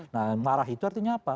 nah marah itu artinya apa